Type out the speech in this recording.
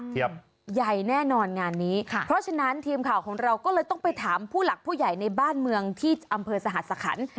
ใหญ่แน่นอนงานนี้ค่ะเพราะฉะนั้นทีมข่าวของเราก็เลยต้องไปถามผู้หลักผู้ใหญ่ในบ้านเมืองที่อำเภอสหัสสะขัน